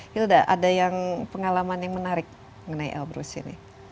hilda ada yang pengalaman yang menarik mengenai elbrus ini